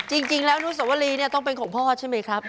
จริงแล้วอนุสวรีเนี่ยต้องเป็นของพ่อใช่ไหมครับ